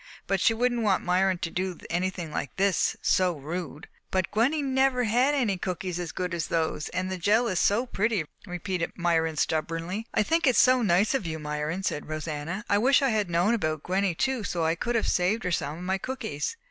But she wouldn't want Myron to do anything like this, so rude." "But Gwenny never had any cookies as good as those, and the jell is so pretty!" repeated Myron stubbornly. "I think it is so nice of you, Myron," said Rosanna. "I wish I had known about Gwenny too so I could have saved her some of my cookies.